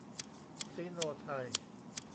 ซิโนไทย